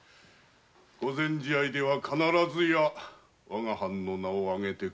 御前試合では必ずやわが藩の名をあげてくれよ。